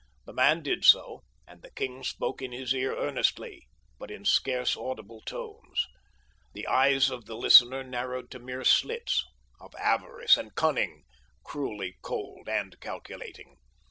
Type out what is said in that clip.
The man did so, and the king spoke in his ear earnestly, but in scarce audible tones. The eyes of the listener narrowed to mere slits—of avarice and cunning, cruelly cold and calculating.